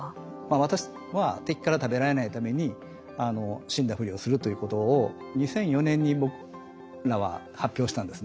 私は敵から食べられないために死んだふりをするということを２００４年に僕らは発表したんですね。